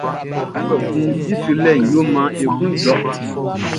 Djavuɛ kun i srilɛʼn yo maan e klun jɔ.